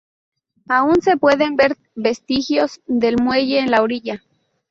Aún se pueden ver vestigios del muelle en la orilla.